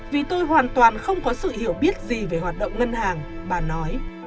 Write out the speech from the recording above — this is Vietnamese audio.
vì tôi hoàn toàn không có sự hiểu biết gì về hoạt động ngân hàng bà nói